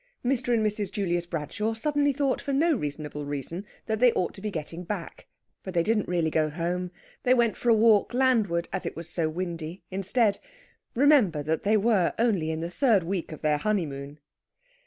Mr. and Mrs. Julius Bradshaw suddenly thought, for no reasonable reason, that they ought to be getting back. But they didn't really go home. They went for a walk landward; as it was so windy, instead remember that they were only in the third week of their honeymoon!